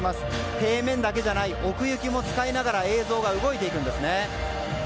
平面だけじゃなく奥行きも使いながら映像が動いていくんですね。